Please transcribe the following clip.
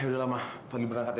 yaudah mah fadil berangkat ya